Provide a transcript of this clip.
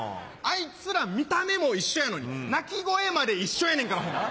あいつら見た目も一緒やのに鳴き声まで一緒やねんから。